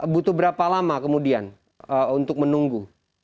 butuh berapa lama kemudian untuk menunggu